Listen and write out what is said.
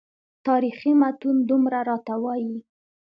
تاریخي متون دومره راته وایي.